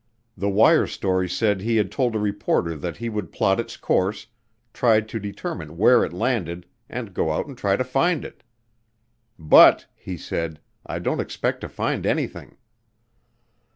The wire story said he had told a reporter that he would plot its course, try to determine where it landed, and go out and try to find it. "But," he said, "I don't expect to find anything."